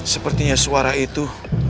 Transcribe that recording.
sepertinya suara itu